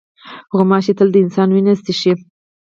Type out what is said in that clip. غوماشې تل د انسان وینه څښي.